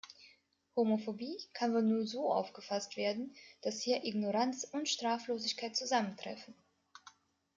Homophobie kann wohl nur so aufgefasst werden, dass hier Ignoranz und Straflosigkeit zusammentreffen.